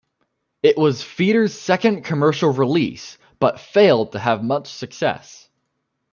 It was Feeder's second commercial release, but failed to have much success.